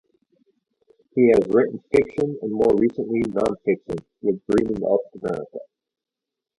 He has written fiction, and more recently, non-fiction, with "Dreaming up America".